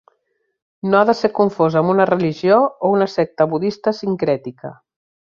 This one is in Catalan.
No ha de ser confós amb una religió o una secta Budista sincrètica.